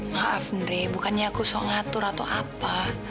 maaf nri bukannya aku sok ngatur atau apa